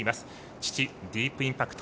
父、ディープインパクト